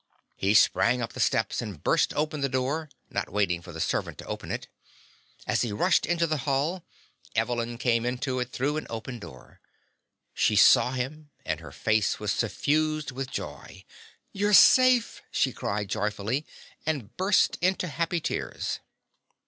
He sprang up the steps and burst open the door, not waiting for the servant to open it. As he rushed into the hall, Evelyn came into it through an open door. She saw him, and her face was suffused with joy. "You're safe!" she cried joyfully, and burst into happy tears.